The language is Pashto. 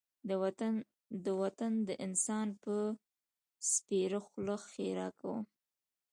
د وطن د انسان په سپېره خوله ښېرا کوم.